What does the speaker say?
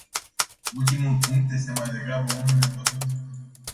Ultimul punct este mai degrabă unul neplăcut.